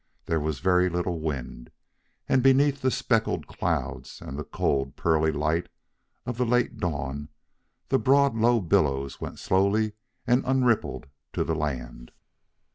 There was very little wind, and beneath the speckled clouds and the cold, pearly light of the late dawn, the broad, low billows went slowly and unrippled to the land.